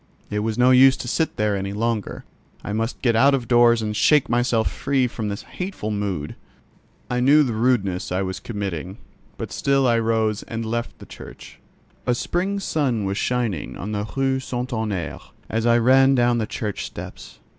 It was no use to sit there any longer: I must get out of doors and shake myself free from this hateful mood. I knew the rudeness I was committing, but still I rose and left the church. A spring sun was shining on the Rue St. Honorķ, as I ran down the church steps.